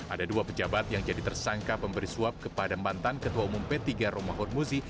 ada dua pejabat yang jadi tersangka pemberi suap kepada mantan ketua umum p tiga romahur muzi